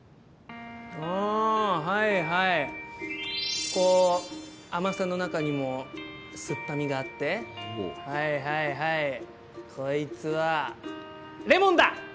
あはいはいこう甘さの中にも酸っぱみがあってはいはいはいこいつはレモンだ！